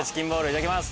いただきます。